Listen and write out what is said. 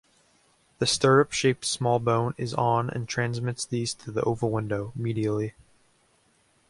The stirrup-shaped small bone is on and transmits these to the oval window, medially.